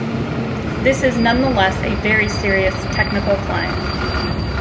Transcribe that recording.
This is nonetheless a very serious, technical climb.